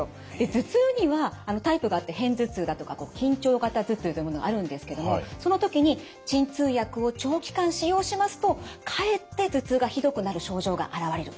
頭痛にはタイプがあって片頭痛だとか緊張型頭痛というものがあるんですけどもその時に鎮痛薬を長期間使用しますとかえって頭痛がひどくなる症状が現れる。